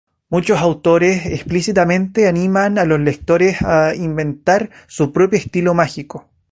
Muchos autores explícitamente animan a los lectores a inventar su propio estilo mágico.